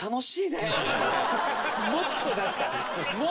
もっと出したい！